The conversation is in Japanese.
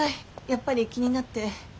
やっぱり気になって。